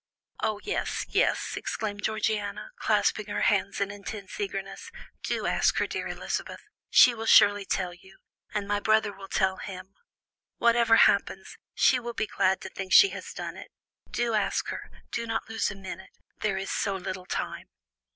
"Oh, yes, yes," exclaimed Georgiana, clasping her hands in intense eagerness, "do ask her, dear Elizabeth; she will surely tell you, and my brother will tell him. Whatever happens, she will be glad to think she has done it. Do ask her; do not lose a minute; there is so little time."